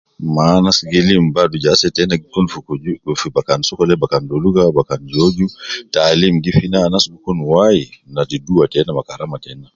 Ma anas gi lim badu je ase tena gi kun fi kuju, fi bakan sokole bakan doluka, bakan joju, taalim gi kun fi na anas gi kun wai, ladi dua tena ma karama tena